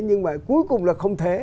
nhưng mà cuối cùng là không thể